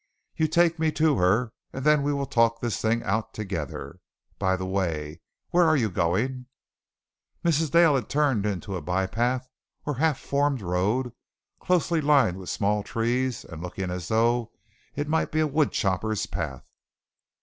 You take me to her and then we will talk this thing out together. By the way, where are you going?" Mrs. Dale had turned into a bypath or half formed road closely lined with small trees and looking as though it might be a woodchoppers' path.